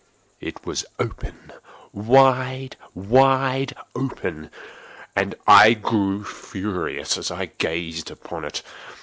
It was open—wide, wide open—and I grew furious as I gazed upon it.